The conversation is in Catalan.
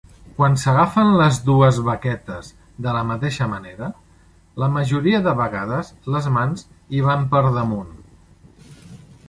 Quan s'agafen les dues baquetes de la mateixa manera, la majoria de vegades les mans hi van per damunt.